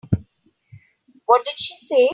What did she say?